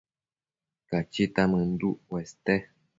Cachita mënduc cueste